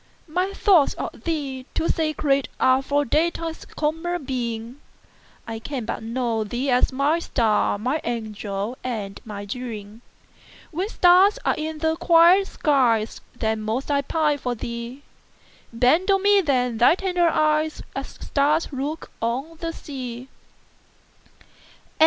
My thoughts of thee too sacred areFor daylight's common beam:I can but know thee as my star, My angel and my dream; When stars are in the quiet skies, Then most I pine for thee; Bend on me then thy tender eyes, As stars look on the sea!